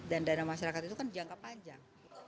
dan dana masyarakat itu kan jangka panjang